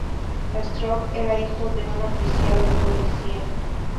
Stroop era hijo de un oficial de policía.